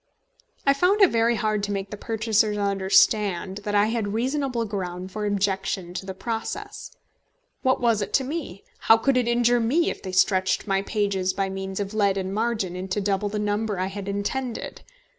I found it very hard to make the purchasers understand that I had reasonable ground for objection to the process. What was it to me? How could it injure me if they stretched my pages by means of lead and margin into double the number I had intended.